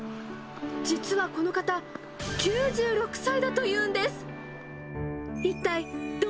実はこの方、９６歳だというんです。